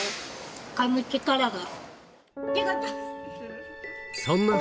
かむ力が。